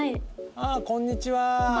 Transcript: ああこんにちは！